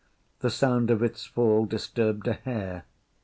The sound of its fall disturbed a hare.